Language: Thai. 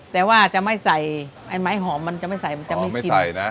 แต่ว่าจะไม่ใส่ไอ้ไม้หอมมันจะไม่ใส่มันจะไม่กิน